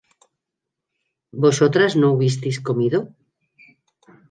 ¿vosotras no hubisteis comido?